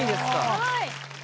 はい。